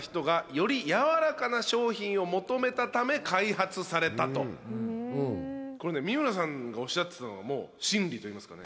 開発されたと三村さんがおっしゃってたのもう真理といいますかね